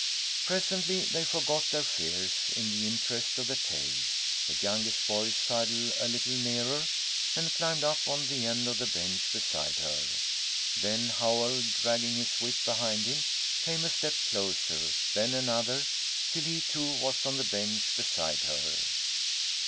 Presently they forgot their fears in the interest of the tale. The youngest boy sidled a little nearer and climbed up on the end of the bench beside her. Then Howell, dragging his whip behind him, came a step closer, then another, till he too was on the bench beside her.